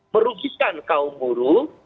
merugikan kaum buruh